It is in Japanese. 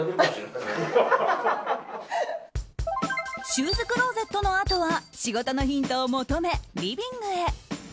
シューズクローゼットのあとは仕事のヒントを求めリビングへ。